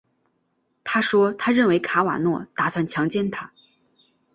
她说她认为卡瓦诺打算强奸她。